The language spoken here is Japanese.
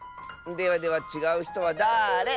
ではでは「ちがうひとはだれ？」。